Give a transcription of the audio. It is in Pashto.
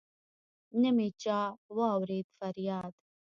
نه مي چا واوريد فرياد